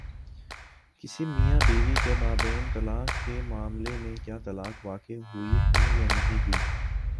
کسی میاں بیوی کے مابین طلاق کے مألے میں کیا طلاق واقع ہوئی ہے یا نہیں ہوئی؟